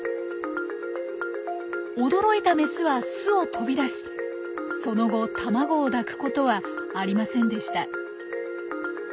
驚いたメスは巣を飛び出しその後卵を抱くことはありませんでした。